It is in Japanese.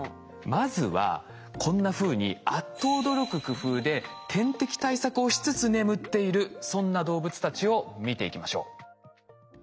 まずはこんなふうにあっと驚く工夫で天敵対策をしつつ眠っているそんな動物たちを見ていきましょう。